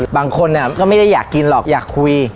บางคนก็ไม่ได้อยากกินหรอกอยากคุย